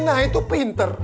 nah itu pinter